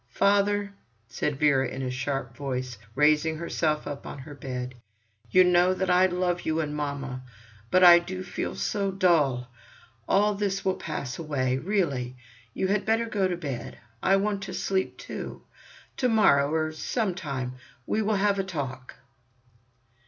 "Father," said Vera, in a sharp voice, raising herself up on her bed, "you know that I love you and mamma. But—I do feel so dull. All this will pass away. Really, you had better go to bed. I want to sleep, too. To morrow, or sometime, we will have a talk."